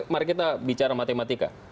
mari kita bicara matematika